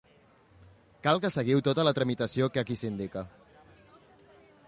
Cal que seguiu tota la tramitació que aquí s'indica.